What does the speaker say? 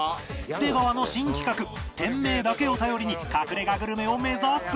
出川の新企画店名だけを頼りに隠れ家グルメを目指す！